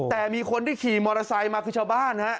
แต่มีคนที่ขี่มอเตอร์ไซค์มาคือชาวบ้านฮะ